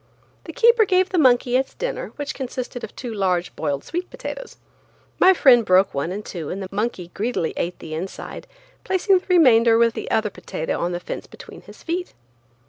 The keeper gave the monkey its dinner, which consisted of two large boiled sweet potatoes. My friend broke one in two and the monkey greedily ate the inside, placing the remainder with the other potato on the fence between his feet.